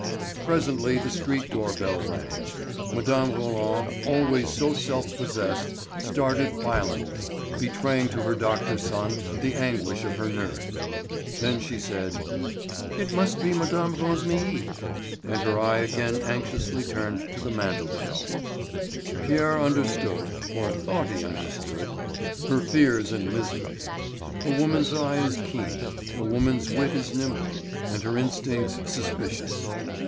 Presently the street door bell rang. Mme. Roland, always so self possessed, started violently, betraying to her doctor son the anguish of her nerves. Then she said: "It must be Mme. Rosémilly;" and her eye again anxiously turned to the mantel shelf. Pierre understood, or thought he understood, her fears and misery. A woman's eye is keen, a woman's wit is nimble, and her instincts suspicious.